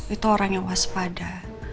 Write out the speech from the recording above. itu orang yang waspada